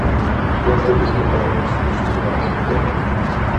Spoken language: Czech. Chtěl by tento Parlament skutečně právě toto?